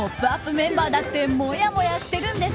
メンバーだってもやもやしてるんです！